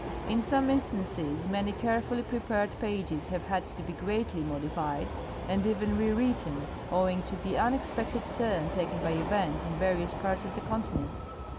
In some instances many carefully prepared pages have had to he greatly modified, and even rewritten, owing to the unexpected turn taken by events in vanous parts of the continent."